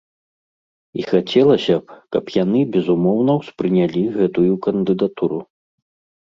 І хацелася б, каб яны безумоўна ўспрынялі гэтую кандыдатуру.